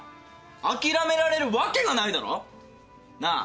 あきらめられるわけがないだろう。なあ？